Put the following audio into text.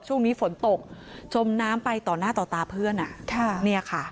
ช่วงนี้ฝนตกชมน้ำไปต่อหน้าต่อตาเพื่อน